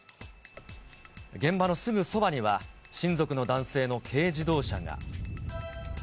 現場のすぐそばには、親族の男性の軽自動車が。